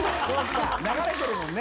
流れてるもんね。